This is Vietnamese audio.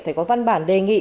phải có văn bản đề nghị